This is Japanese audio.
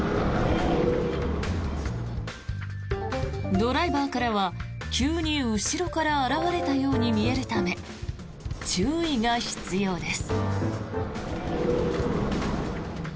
ドライバーからは急に後ろから現れたように見えるため注意が必要です。